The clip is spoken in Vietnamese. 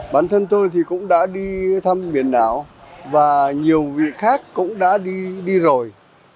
bản thân tôi thì cũng đã đi thăm biển đảo và nhiều vị khác cũng đã đi rồi